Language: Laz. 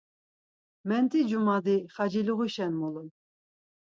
Menti cumadi xaciluğişen mulun.